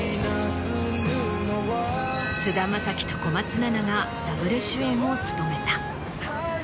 菅田将暉と小松菜奈がダブル主演を務めた。